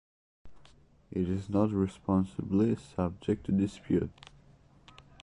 It is not reasonably subject to dispute.